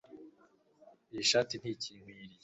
iyi shati ntikinkwiriye